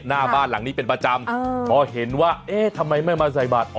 หน้าบ้านหลังนี้เป็นประจำพอเห็นว่าเอ๊ะทำไมไม่มาใส่บัตร